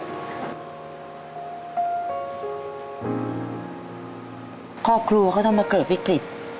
บ้าบกลูก็ต้องมาเกิดวิกฤต